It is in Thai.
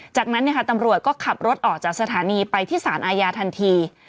จากนั้นตำรวจก็ขับรถออกจากสถานีไปที่สารอาญาทันที